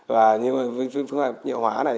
và với phương pháp nhựa hóa này